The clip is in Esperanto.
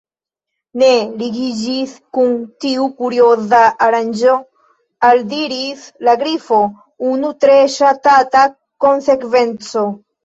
"Nu, ligiĝis kun tiu 'kurioza' aranĝo," aldiris la Grifo, "unu tre ŝatata konsekvenco. »